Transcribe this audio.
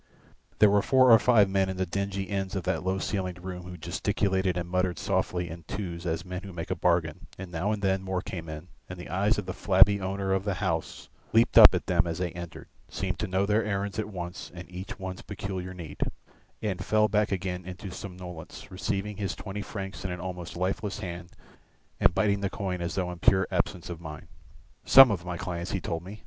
There were four or five men in the dingy ends of that low ceilinged room who gesticulated and muttered softly in twos as men who make a bargain, and now and then more came in, and the eyes of the flabby owner of the house leaped up at them as they entered, seemed to know their errands at once and each one's peculiar need, and fell back again into somnolence, receiving his twenty francs in an almost lifeless hand and biting the coin as though in pure absence of mind. "Some of my clients," he told me.